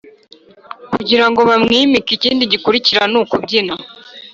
kugira ngo bamwimike ikindi gikurikiranukubyina